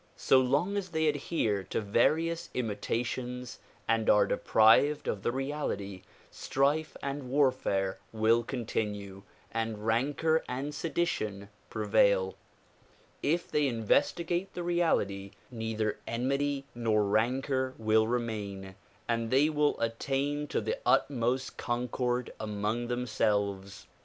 So long as they adhere to various imitations and are deprived of the reality, strife and warfare will continue and rancor and sedition prevail. If they investigate the reality, neither enmity DISCOURSES DELIVERED IN NEW YORK 217 nor rancor will remain and they will attain to the utmost concord among themselves.